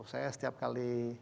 saya setiap kali